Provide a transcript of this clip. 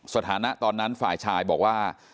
สถานะตอนนั้นฝ่ายชายบอกว่า